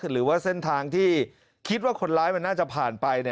หรือว่าเส้นทางที่คิดว่าคนร้ายมันน่าจะผ่านไป